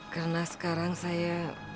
karena sekarang saya